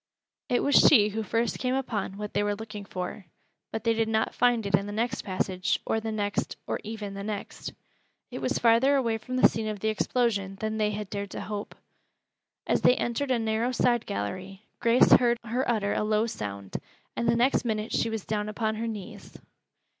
It was she who first came upon what they were looking for; but they did not find it in the next passage, or the next, or even the next. It was farther away from the scene of the explosion than they had dared to hope. As they entered a narrow side gallery, Grace heard her utter a low sound, and the next minute she was down upon her knees.